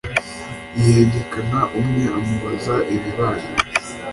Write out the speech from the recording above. yihengekana umwe amubaza ibibaye